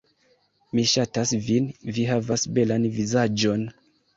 Mi ŝatas vin, vi havas belan vizaĝon.